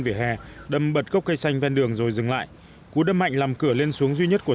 vỉa hè đâm bật cốc cây xanh ven đường rồi dừng lại cú đâm mạnh làm cửa lên xuống duy nhất của